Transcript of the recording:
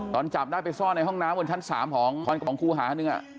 ตอนจับได้ไปซ่อนในห้องน้ำบนชั้นสามของคู่หาหนึ่งอ่ะ